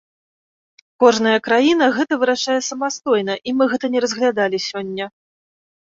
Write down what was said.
Кожная краіна гэта вырашае самастойна, і мы гэта не разглядалі сёння.